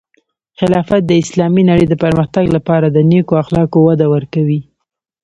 خلافت د اسلامی نړۍ د پرمختګ لپاره د نیکو اخلاقو وده ورکوي.